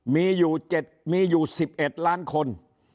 มีอยู่๑๑ล้านคน